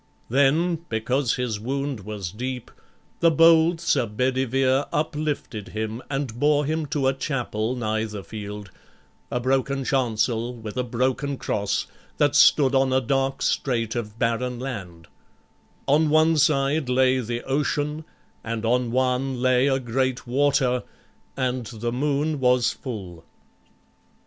Then, because his wound was deep, The bold Sir Bedivere uplifted him, And bore him to a chapel nigh the field, A broken chancel with a broken cross, That stood on a dark strait of barren land: On one side lay the Ocean, and on one Lay a great water, and the moon was full.